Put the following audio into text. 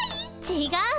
ちがうの。